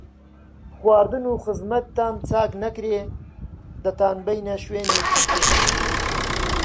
خواردن و خزمەتتان چاک نەکرێ، دەتانبەینە شوێنێکی تر